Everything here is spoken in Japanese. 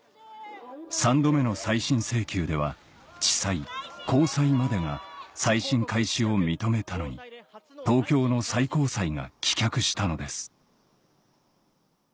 ３度目の再審請求では地裁高裁までが再審開始を認めたのに東京の最高裁が棄却したのです